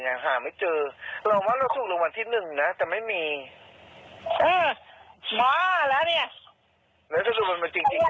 ส่งไปให้เนี้ยเอออีกนิดนึงแล้วส่งไปให้สาม